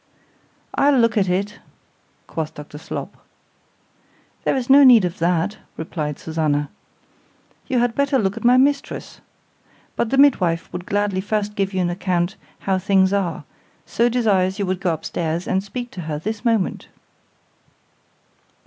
—I'll look at it, quoth Dr Slop.—There is no need of that, replied Susannah,—you had better look at my mistress—but the midwife would gladly first give you an account how things are, so desires you would go up stairs and speak to her this moment.